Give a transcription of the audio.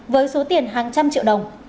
với số tiền hàng trăm triệu đồng